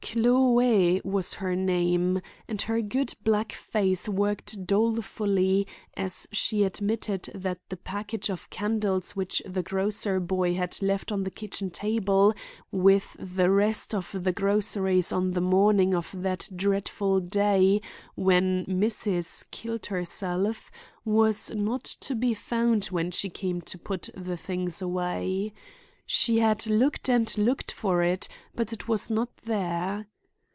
Chloe was her name, and her good black face worked dolefully as she admitted that the package of candles which the grocer boy had left on the kitchen table, with the rest of the groceries on the morning of that dreadful day when "Missus" killed herself, was not to be found when she came to put the things away. She had looked and looked for it, but it was not there.